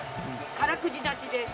空くじなしです。